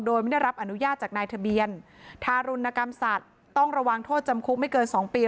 โดยไม่ได้รับอนุญาตจากนายทะเบียนทารุณกรรมสัตว์ต้องระวังโทษจำคุกไม่เกิน๒ปี